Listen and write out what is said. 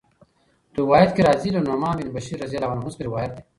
روايت کي راځي: له نعمان بن بشير رضي الله عنه څخه روايت دی